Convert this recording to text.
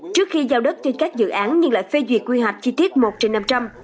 trước khi giao đất trên các dự án nhưng lại phê duyệt quy hoạch chi tiết một trên năm trăm linh